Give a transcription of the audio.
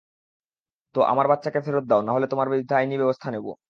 তো, আমার বাচ্চাকে ফেরত দাও নাহলে তোমার বিরুদ্ধে আইনী ব্যবস্থা নিবো।